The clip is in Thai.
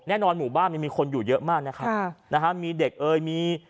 หมู่บ้านมันมีคนอยู่เยอะมากนะครับนะฮะมีเด็กเอ่ยมี